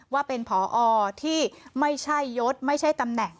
ว่าเป็นผอที่ไม่ใช่ยศไม่ใช่ตำแหน่ง